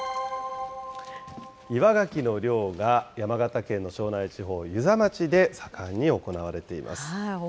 岩がきの漁が山形県の庄内地方、遊佐町で盛んに行われています。